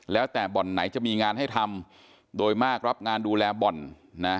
แล้วแต่บ่อนไหนจะมีงานให้ทำโดยมากรับงานดูแลบ่อนนะ